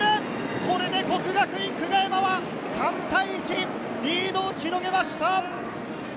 これで國學院久我山は３対１、リードを広げました！